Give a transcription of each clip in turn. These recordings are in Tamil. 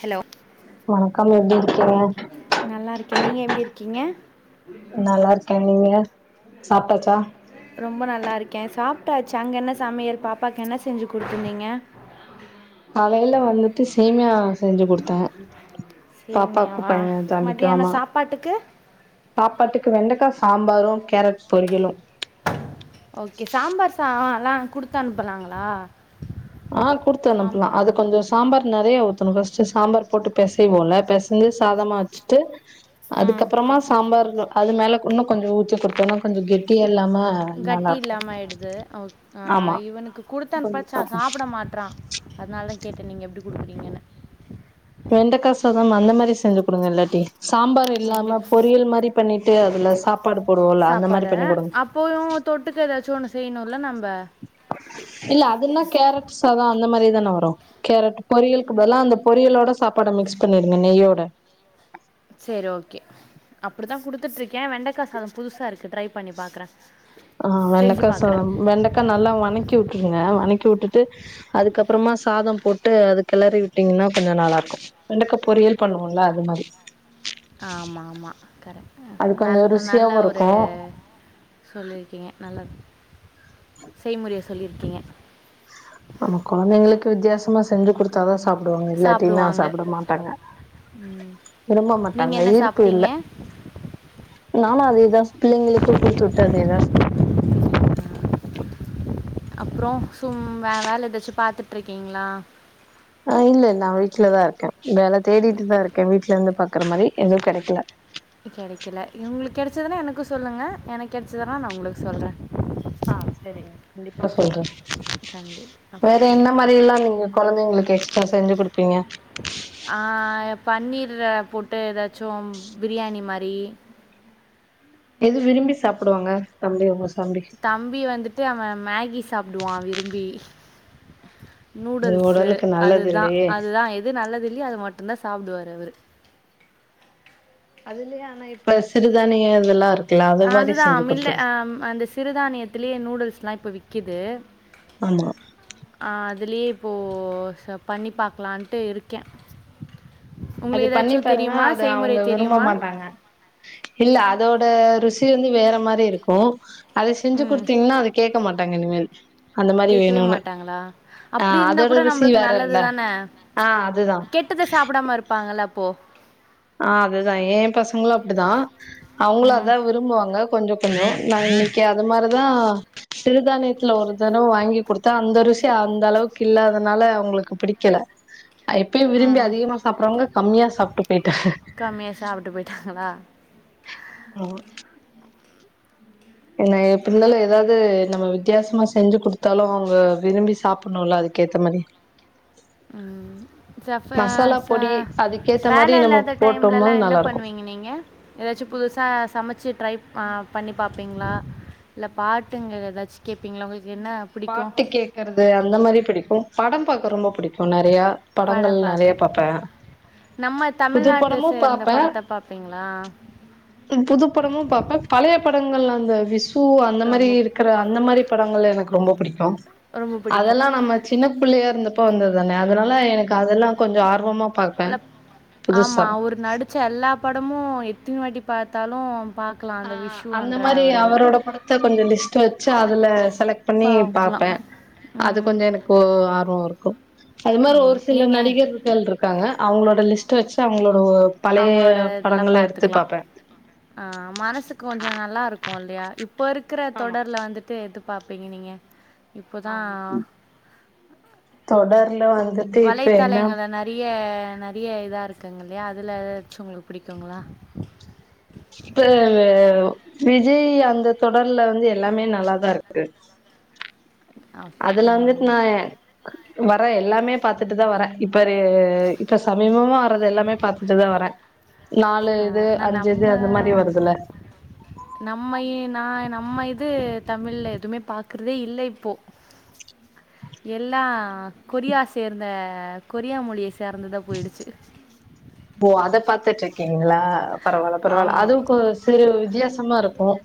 ஹலோ வணக்கம் எப்படி இருக்கீங்க நல்லா இருக்கேன் நீங்கள் எப்படி இருக்கீங்க நல்லா இருக்கே நீங்க சாப்ட்டாச்சா ரொம்ப நல்லா இருக்கேன் சாப் சாப்டாச்சு அங்க என்ன சமைல் பாப்பாக்கு என்ன செஞ்சு கொடுத்தருந்தீங்க காலையில வந்துட்டு சேமியா செஞ்சு கொடுத்தேன் பாப்பாக்கு சேமியாவா பையன் தம்பக்கும் மதியானம் ஆமா சாப்பாட்டுக்கு சாப்பாட்டுக்கு வெண்டைக்கா சாம்பாரும் ஓகே சாம்பார்சா ஹான் தான் குடுத்து அனுப்பலாங்களா ஆஹ் கொடுத்து சாம்பார் அனுப்புலாம் அது கொஞ்சம் சாம்பார் நிறைய ஊத்தணும் ஃபர்ஸ்ட்டு சாம்பார் போட்டு பிசைவோல பிசைசு சாதமா வச்சுட்டு ம் அதுக்கப்புறமா சாம்பார் அது மேல இன்னும் கொஞ்ச உத்தி குத்துன்னும் கொஞ்சம் கெட்டியா இல்லாம நல்லா கட்டி இருக்கு இல்லாம ஆயிடுது ஆஹ் ஆமா இவனுக்கு கொடுத்தன கொஞ்சோ பச்ச சாப் சாப்ட மாட்டறான் அதனால கேட்டேன் நீங்க எப்டி குடுக்குறீங்கன்னு வெண்டக்கா சாதம் அந்த மாரி செஞ்சு குடுங்க இல்லாட்டி சாம்பார் இல்லாம வெண்டைக்காய் பொரியல் மாரி பண்ணிட்டு அதுல சாப்ப சாப்பாடு அப்பயும் தொட்டுக்க ஏதாச்சும் ஒண்ணு இல்ல அதுன்னா கேரட்ஸ் சாதாம் அந்த மாரி தான வரும் கேரட் பொரியலுக்கு பல்லா அந்த பொரியலோட சாப்பாட மிக்ஸ் பண்ணிடுங்க நெய்யோட சரி ஓகே அப்படிதான் குடுத்துட்டு இருக்கேன் வெண்டைக்காசாதம் புதுசா இருக்கு ட்ரை பண்ணி பாக்குறேன் ஆஹ் வெண்டக்கா சாதம் வெண்டக்கா நல்லா வனக்கி விட்டுருங்க வனக் க்கி விட்டுட்டு அதுக்கப்புறமா சாதம் போட்டு அது கிளறி விட்டீங்கன்னா கொஞ்சம் நல்லா இருக்கும் வெண்டக்கா பொரியல் பண்ணுவோம்ல அது மாரி ஆமா ஆமா கரெக்ட் அது கொஞ்சோ நல் நல்ல ருசியாவு ஒரு இருக்கு சொல்லியிருக்கீங்க ந [unintelligible] செய்முறைய சொல்லியிருக்கீங்க உப்புமா செஞ்சி கொடுத்தா சாப் சாப்டுவாங்க இல்லாட்டினா சாப்பிடுவாங்க சாப்பிட மாட்டாங்க விரும்ப நீங்க மாட்டாங்க என்ன ஈர்ப்பு இல்ல சாப்பிட்டீங்க நானும் அதேதான் பிள்ளைங்களுக்கு குடுத்து விட்டு அதே தான் சாப்ட்டேன் அப்புறம் வேல எதாச்சு பாத்துட்டு விட்டு இருக்கீங்களா ஆஹ் இல்ல நா வீட்லதான் இருக்கேன் வேல தேடிட்டுதா இருக்க வீட்ல இருந்து பாக்க பாக்குற மாரி எதும் கெடைக்கல கெடைக்கல உங்களுக்கு கெடச்சுதுன்னா எனக்கும் சொல்லுங்க எனக்கு கெடச்சதன்னா நான் உங்களுக்கு சொல்றேன் ஆஹ் சரிங்க கண்டிப்பா சொல்றேன் கண்டிப்பா வேற என்ன மாரி எல்லாம் நீங்க கொழந்தைங்களுக்கு செஞ்சு குடுப்பீங்க ஆஹ் பன்னீர் போட்டு ஏதாச்சும் பிரியாணி மாரி எது விரும்பி சாப்டுவாங்க தம்பிங்க தம்பி வந்துட்டு அவன் மேகி சாப்டுவான் விரும்பி அது நூடுல்ஸு உடலுக்கு நல்லது அதுதான் இல்லையே அதுதான் எது நல்லது இல்லையே அது மட்டு அந்தா சாப்டுவாரு அவரு அதுலயே ஆனா இப்ப சிறுதானியங்க இதெல்லாம் இருக் அதுதான் மில்ல அ அந்த சிறுதானியத்திலேயே நூடுல்ஸ் லாம் இப்போ விக்குது ஆமா ஆஹ் அதுலயே இப்போ பண்ணி பார்க்கலான்ட்டு இருக்கேன் அது உங்களுக்கு பண்ணி ஏதாச்சும் பாருங்க தெரியுமா அத செய்முறை அவங்க விரும்ப தெரியுமா மாட்டாங்க இல்ல அதோட ருசி வந்து வேற மாதிரி இருக்கும் அது செஞ்சு ம் கொடுத்தீங்கன்னா அது கேக மாட்டாங்க இனிமேல் [inaudible] கேட்கவே வேணுன்னு மாட்டாங்களா ஆ அப்படி இருந்தா அதோட கூட ருசி நம்மளுக்கு வேறல்ல நல்லதுதானே ஆ அதுதா கெட்டத சாப்பிடாம இருப்பாங்கள போ ஆஹ் அதுதான் ஏன் பசங்களும் அப்படிதான் அவங்களும் ம் அதான் விரும்புவாங்க கொஞ்சம் கொஞ்சம் நான் இன்னைக்கு அது மாரிதான் சிறுதானியத்துல ஒரு தடவை வாங்கி கொடுத்தேன் அந்த ரூசி அந்த அளவுக்கு இல்லாதனால அவங்களுக்கு பிடிக்கல அப்பயும் விரும்பி அதிகமா சாப்படுறவங்க கம்மியா சாப்பிட்டு கம்மியா சாப்பிட்டு போயிட்டாங்களா ம் என் எப்ப இருந்தாலு எதாது நம்ம வித்தியாசமா செஞ்சி குடுத்தாலு அவுங்க விரும்பி சாப்ணுல அதுக்க ஏத்த மாரி ம் சஃப மசாலா ச பொடி அதுக்கேத்த மாரி வேல நம்ம இல்லாத டைம்ல போட்டோம்னா எல்லா என்ன நல்லா இருக்கு பண்ணுவீங்க நீங்க எதாச்சு புதுசா சமைச்சி ட்ரை ப பண்ணி பாப்பீங்களா இல்ல பாட்டுங்க எதாச்சு கேப்பீங்களா உங்களுக்கு என்ன பிடிக்கும் பாட்டு கேக்கறது அந்த மாரி பிடிக்கு படம் பார்க் ரொம்ப புடிக்குனர் படம் பாக்க நம்ம புது தமிழ்நாட்ட படமு சேர்ந்த படத்தை பாப்பீங்களா புதுப்படமும் பாப்பேன் பழைய படங்கள் அந்த விஸ் பூ அந்த மாரி ரொம்ப இருக்கிற அந்த மாரி படங்கள் எனக்கு ரொம்ப புடிக்கு ரொம்ப பிடிக்கும் அதெல்லா நம்ம சின்ன பிள்ளையா இருந்தப் இப்ப வந்தது தானே அதனால எனக்கு அதெல்லா கொஞ்ச ஆர்வமா பாப்பே ஆமா புதுசா அவுர் நடிச்ச எல்லா படமும் எத்தினி வாட்டி பாத்தாலு ஆ அந்த மாரி அவரோட படத்தை கொஞ்ச லிஸ்ட் வெச்சி அதுல செலக்ட் பண்ணி பார்க்கலாம் பாப்பே அது ம் கொஞ்ஜோ எனக்கு ஆர்வம்வரும் இப்ப அது மாரி ம் ஒரு சில நீங்க நடிகர்கள் இருக்காங்க அவுங்களோட லிஸ்ட் வெச்சி அவுங்க அவுங்களோட பழைய அவங்களோட இதெல்லா படங்கள்ள எடுத்து பாத்துக்கலா பாப்பே ஆ மனசுக்கு கொஞ்சே நல்லா இருக்கு இல்லையா இப் இப்போ இருக்கற ஆமா தொடர்ல வந்துட்டு இது பாப்பிங்க நீங்க இப்போதா அம் தொடர் வலைத்தளைங்கள நெறைய நெறைய இதா இருக்குங் இல்லயா அதுல எதாச்சு உங்களுக்கு புடிக்குங்களா இது விஜய் அந்த தொடர்ல வந்து எல்லாமே நல்லா தா இருக்கு ஆ அதுல வந்துட்டு ம் நா வர எல்லாமே பாத்துட்டு தா வரே இப்ப இப்ப சமீபமா வர்றது எல்லாமே பாத்துட்டு தா வரேன் ஆ நா நம்ம வருதுல்ல நம்ம நா நம் நம்ம இது தமில்ல எதுமே பாக்குறதே இல்ல இப்போ எல்லா கொரியா சேர்ந்த கொரியா மொழியை சேர்ந்ததா போயிடுச்சு ஓ அத பாத்துட்டு இருக்கீங்களா பரவாயில்ல பரவாயில்ல ஆமா அதுவும்க்கு சிறு வித்தியாசமா இருக்கும்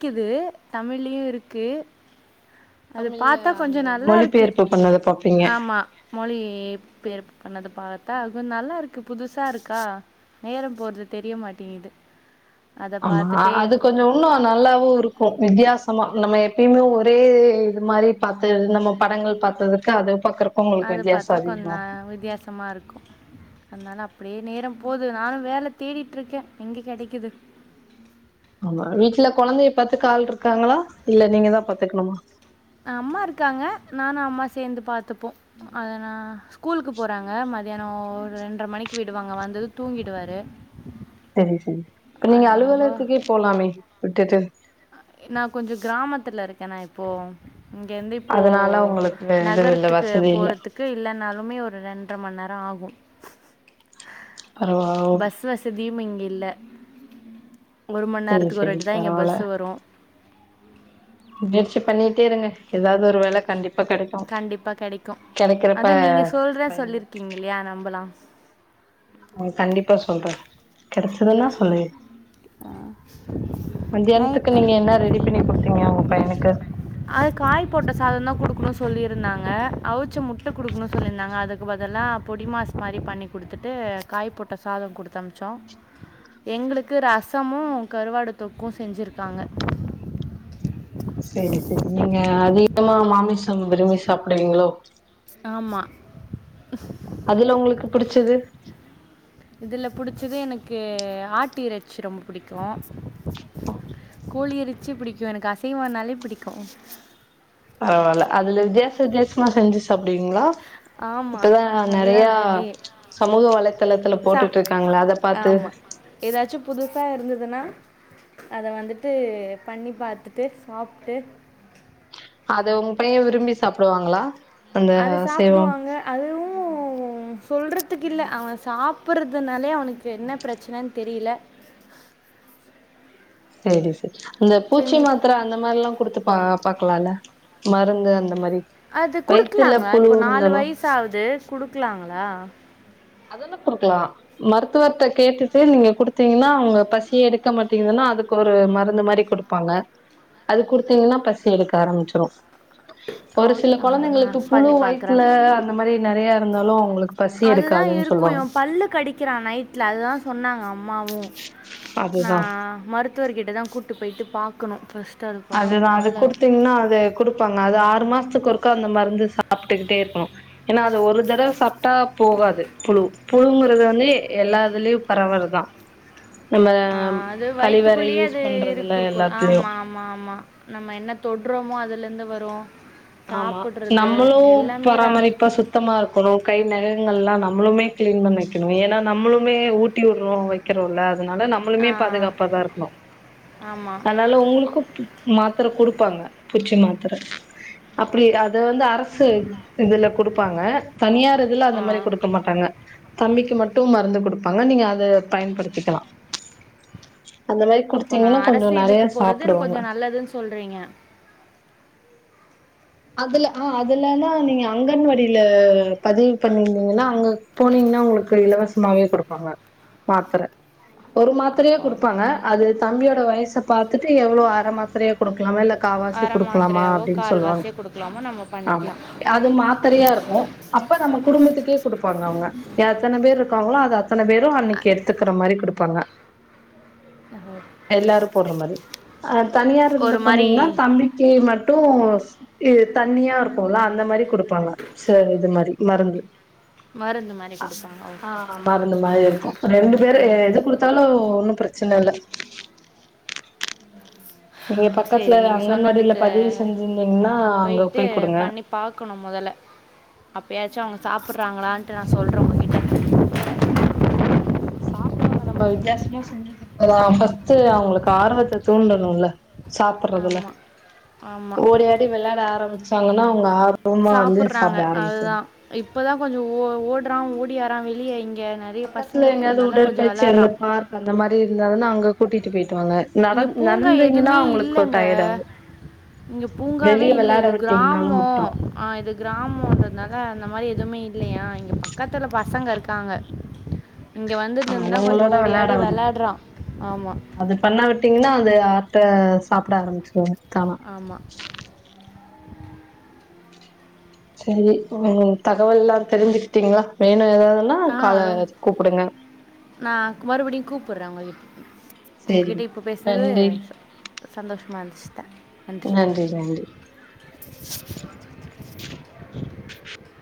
இருக்குது தமிழ்லும் இருக்கு அது தமிழ்ல பாத்தா கொஞ்சோ அந்த நல்லா இருக்கு மொழிபெயர்ப்பு பண்ணது ப ஆமா மொழி்பெயர்ப்பு பண்ணது பாத்தா அதுநல்லா இருக்கு புதுசா இருக்கா நேரம் போறது தெரிய மாட்டேங்கு இது ஆமா அது கொஞ்சம் இன்னும் நல்லாவும் இருக்கும் வித்தியாசமா நம்ம எப்பயுமே ஒரே இது மாரி பாத்த நம்ம படங்கள் பாத்ததுக்கு அது பாக்குறப்ப உங்களுக்கு அது வித்தியாசோ பாத்தா அதிகமா இருக்கு கொஞ்சம் வித்தியாசமா இருக்கும் அதனால அப்டியே நேரம் போகுது நானும் வேல தேடிட்டு இருக்கேன் எங்க கெடைக்குது ஆமா வீட்டுல கொழந்தைய பாத்துக்கு ஆள் இருக்காங்களா இல்ல நீங்க தான் பாத்துக்கணுமா அம்மா இருக்காங்க நானும் அம்மா சேர்ந்து பாத்துப்போம் அதனா ஸ்கூலுக்கு போறாங்க மதியானம் ரெண்டரை மணிக்கு விடுவாங்க வந்தது தூங்கிடுவாரு செரி செரி இப்ப நீங்க அலுவலகத்துக்கே போலாமே விட்டுட்டு நான கொஞ்சம் கிராமத்துல இருக்கேனா இப்போ இங்க வந்து இப்போ அதனால உங்களுக்கு இது இல்ல நகரத்துக்கு வசதி இல்ல போறதுக்கு இல்லனால எப்மே ஒரு ரெண்டரை மணி நேரம் ஆகும் பரவா பஸ் வசதியும் இங் இல்ல ஒரு மணி சரி நேரத்துக்கு ஒரு சரி வாட்டி தான் இங்க பரவால்ல பஸ்ஸு வரும் முயற்சி பண்ணிட்டே இருங்க ஏதாவது ஒரு வேல கண்டிப்ப கண்டிப்பா கெடைக்கும் அதான் நீங்க சொல்ற பயன்ப சொல்லிருக்கீங்க இல்லயா நம்பலாம் ஆ கண்டிப்பா சொல்றேன் கெடச்சதுன்னா சொல்லு நைட் மத்தியானத்துக்கு நீங்க என்ன ரெடி பண்ணி குடுத்தீங்க உங்க பையனுக்கு அது காய் போட்ட சாதம் தான் குடுக்கணும்னு சொல்லியிருந்தாங்க அவிச்ச முட்ட குடுக்கணும்னு சொல்லியிருந்தாங்க அதுக்கு பதில்லா பொடி மாசு மாரி பண்ணி கொடுத்துட்டு காய் போட்ட சாதம் கொடுத்தமச்சோம் எங்களுக்கு ரசமும் கருவாடு தொக்கும் செஞ்சிருக்காங்க சரி சரி நீங்க அத அதிகமா மாமிசம் விரும்பி சாப்பிடுவிங்களோ ஆமா அதுல உங்களுக்கு புடிச்சது இதுல பிடிச்சது எனக்கு ஆட்டு இரைச்சி ரொம்ப பிடிக்கும் போ கோழி இரைச்சு பிடிக்கும் எனக்கு அசைவம்னாலே பிடிக்கும் பரவால அதுல வித்தியாச வித்தியாசமா செஞ்சுச்சு சாப்பிடுவீங்களா ஆமா ஆஹ் அதுதான் வேலயே சமூக வலைத்தளத்துல ச போட்டுட்டு இருக்காங்கள அத பாத்து ஆமா ஏதாச்சும் புதுசா இருந்துதுன்னா அத வந்துட்டு பண்ணி பாத்துட்டு சாப்பிட்டு அத உங்க பையன் விரும்பி சாப்பிடுவாங்களா அது சாப்பிடுவாங்க அதுவும் அதுவும் சொல்றதுக்கு இல்ல அவன் சாப்பறதுனாலே அவனுக்கு என்ன பிரச்சனன்னு தெரில செரி செ இந்த பூச்சி மாத்திர அந்த மாரி எல்லாம் குடுத்துப்பான் பாக்கலாம்ல மருந்து அந்த மாரி அது வயித்துல குடுக்கலாங்க புழு இப்போ நாலு இருந்தாலு வயச ஆவுது குடுக்கலாங்களா அதெல்லாம் குடுக்கலாம் மருத்துவத்தை கேட்டுட்டு நீங்க குடுத்தீங்கன்னா அவங்க பசி எடுக்க மாட்டீங்கதுன்னா அதுக்கு ஒரு மருந்து மாரி குடுப்பாங்க அது குடுத்தீங்கன்னா பசி எடுக்க ஆரம்பிச்சிரும் ஒரு சில ஓகே கொழந்தைங்களுக்கு நான் புழு பண்ணி பார்க்குறேன் வயித்துல அந்த மாரி நெறைய இருந்தாலும் அவங்களுக்கு பசி இருக்கு அப்டிதான் இருக்கும் இவ பல்லு கடிக்கிறான் நைட்ல அதுதான் சொன்னாங்க அம்மாவும் அதுதா நான் மருத்துவர்கிட்ட தான் கூட்டு போய் [unintelligible] பாக்கணும் ஃபர்ஸ் அதுதான் அது குடுத்தீங்கன்னா அது குடுப்பாங்க அது ஆறு மாசத்துக்கு ஒருக்க அந்த மருந்து சாப்பிட்டுக்கிட்டே இருக்கணும் ஏன்னா ஆ ஒரு தடவ சாப்பிட்டா போகாது புழு புழுங்கிறது வந்து எல்லா இதுலயும் பரவுறதுதா ஆஹ் அது வயித்துக்குள்ளேயே அது இருக்கு பண்றதுல இருக்கும் எல்லாத்துலயு ஆமா ஆமா ஆமா நம்ம என்ன தொடுறோமோ அதுல இருந்து வரும் ஆமா சாப்பிடுறது நம்மளும் எல்லாமே தான். பராமரிப்பா சுத்தமா இருக்கணும் கை நகங்கள் எல்லாம் நம்ம நம்மளுமே கிளீன் பண்ண வக்கணும் ஏன்னா நம்மளுமே ஊட்டி விடுறோம் வக்கிறோல அதனால நம்மளுமே ஆ, பாதுகாப்பாதான் இருக்கணும் ஆமா. அதனால உங்களுக்கு மாத்திர குடுப்பாங்க பூச்சி மாத்தர அப்பிடியே யார் இது வந்து அரசு இதுல குடுப்பாங்க தனியார் இதுல அந்த ஆ. மாரி குடுக்க மாட்டாங்க தம்பிக்கு மட் மட்டும் மறந்து குடுப்பாங்க நீங்க அத பயன்படுத்திக்கிலா அப்போ நா கொஞ்சோ அரசு நெறைய இதுக்கு போறது எனக்கு சாப்பிடுவாங்க கொஞ்ச நல்லதுன் சொல்றீங்க அதுல ஆஹ் அதுலனா நீங்க அங்கன்வாடியில பதிவு பண்ணிருந்தீங்கன்னா அங்க போனீங்கன்னா உங்குளுக்கு இலவசமாவே குடுப்பாங்க மாத்தர ஒரு மாத்தரையே அப்போ குடுப்பாங்க அது தம்பியோட வயச பாத்துட்டு எவ்ளோ அரை மாத்திரையே குடுக்குலாமா இல்ல காவாசி அரை குடுக்குலாமா மாத்திரையாவோ, அப்டின் சொல்லுவாங் கால்வாசியோ குடுக்கலாமோ நம்ம ஆமா பண்ணிக்கலாம். அது மாத்திரையா இருக்கு அப்ப நம்ம குடும்பத்துக்கே குடுப்பாங்க அவுங்க எத்தனை பேர் இருக்காங்களோ அது அத்தனை பேரு அன்னைக்கு எடுத்துக்குற மாரி குடுப் பாங்க எல்லாரு போடுற மாரி அஹ் தனியார் இதுல ஒரு மாரி போனீங்கன்னா தம்பிக்கு மட்டு [inaudible] இது தண்ணியா இருக்கும்குளா அந்த மாரி குடுப்பாங்க சேர் இது மாரி மருந்து மருந்து மாரி குடுப்பாங்க. ஓகே. ஆஹ மருந்து மாரி இருக்கு ரெண்டு பேரு எத குடுத்தாலு ஒன்னு பிரச் சின்னதுல சேரி நீங்க அங்கன்வாடில சொன்னதுக்கு பதிவு செஞ்சிருந்தீங்கன்னா அங்க போயிட்டு போய் குடுங்க பண்ணி பாக்கணும் முதல அப்ப யாச்சும் அவுங் சாப்புறாங்கிளான்ட்டு நா சொல்ற உங்க கிட்ட சாப்பிடுவாங்க நம்ம வித்தியாசமா செஞ்சு குடுக்குறோ பஸ்ட்டு அவுங்களுக்கு ஆர்வத்தை தூண்டணுல சாப்பிடறதுல ஆமா ஆமா ஓடி ஆடி விளாட ஆரம்பிச் ட்டாங்குன்னா அவுங்க ஆரவ் சாப்புர்றாங்க அதுதா இப்பதா கொஞ்ச ஓ ஓடுறான் ஓடியாரா வெளியய் பக்கத்துல எங்கியாவது உடற்பயிற்சி அந்த விளையாடுறான் பார்க் அந்த மாரி இருந்தாகுன்னா அங்க கூட்டிட்டு பேயிட் இங்க பூங்கா எதுமே இல்லங்க டயர்ட் ஆகு இங்க பூங்காவே வெளிய இல்ல வெளாட இது விட்டீங்கனாலு கிராமோ விட்ரு ஆஹ் இது கிராமோன்றதுனால அந்த மாரி எதுவுமே இல் இல்லியா இங்க பக்கத்துல பசங்க இருக்காங்க இங்க வந்ததுல இருந்தா கொஞ்ச அவங்களோட ஓடி வெளாட ஆடி விடுங்க விளாட்றான் ஆமா பீன்னாங்கு ஆப் ட்ற சாப்புட ஆரம்பிச்சிருவாங்க தானா ஆமாம் சேரி உங்களு தகவல்லா தெரிஞ்சுக்கிட்டீங்களா வேணு ஏதாவுது ஆஹ் அரோ நா மறுபடியும் கூப்புடுறே உங்களுக் உங்கிட்ட சேரிங் இப்ப பேசுனது நன்றி சந்தோஷ்மா இருந்துச் நன்றி [inaudible]